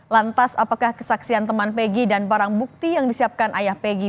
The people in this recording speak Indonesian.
lantas apakah kesaksian teman pegi dan barang bukti yang disiapkan ayah peggy